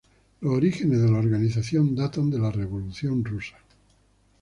Los orígenes de la organización datan de la Revolución rusa.